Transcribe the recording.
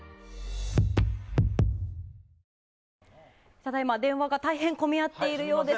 ただ今、電話が大変混み合っているようです。